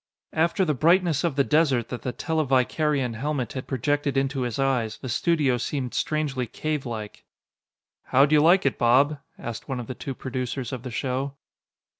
After the brightness of the desert that the televicarion helmet had projected into his eyes, the studio seemed strangely cavelike. "How'd you like it, Bob?" asked one of the two producers of the show.